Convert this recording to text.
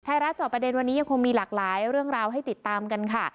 รับจอบประเด็นวันนี้ยังคงมีหลากหลายเรื่องราวให้ติดตามกันค่ะ